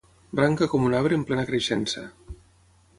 Branca com un arbre en plena creixença.